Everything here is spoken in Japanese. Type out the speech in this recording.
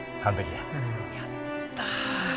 やった！